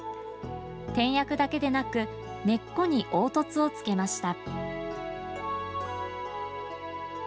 点訳だけでなく根っこに凹凸をつけました。